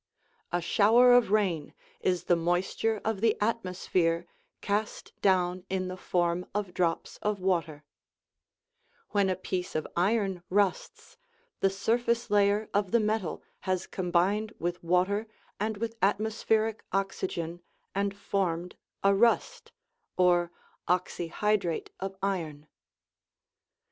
A shower of rain is the moisture of the atmosphere cast down in the form of drops of water ; when a piece of iron rusts, the sur face layer of the metal has combined with water and with atmospheric oxygen, and formed a " rust," or oxy hydrate of iron.